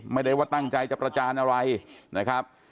ไม่ได้ว่าตั้งใจจะประจานอะไรนะครับ